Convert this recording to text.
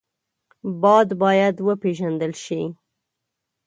باد باید وپېژندل شي